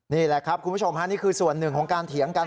นี่แหละครับคุณผู้ชมฮะนี่คือส่วนหนึ่งของการเถียงกัน